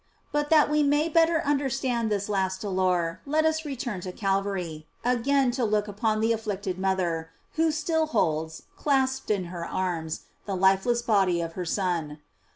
But that we may better understand this last dolor, let us return to Calvary, again to look upon the afflicted mother, who still holds, clasped in her arms, the lifeless body of her Son.